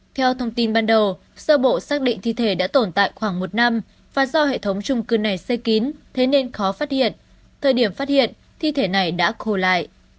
theo thông tin ban đầu sơ bộ xác định thi thể đã tồn tại khoảng một năm và do hệ thống trung cư này xây kín thế nên khó phát hiện thời điểm phát hiện thi thể này đã khô lại